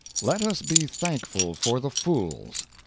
Let us be thankful for the fools.